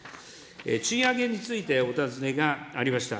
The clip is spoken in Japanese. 賃上げについてお尋ねがありました。